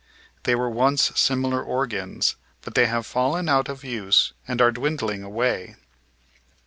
They were once similar organs, but they have fallen out of use and are dwindling away.